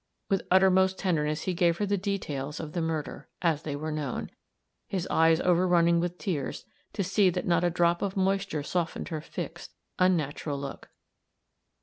With uttermost tenderness he gave her the details of the murder, as they were known; his eyes overrunning with tears to see that not a drop of moisture softened her fixed, unnatural look.